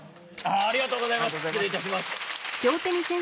ありがとうございます。